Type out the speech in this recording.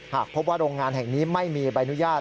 หากพบว่าโรงงานแห่งนี้ไม่มีใบอนุญาต